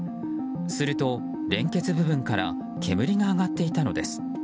すると、連結部分から煙が上がっていたのです。